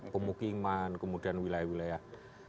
pemukiman kemudian wilayah wilayah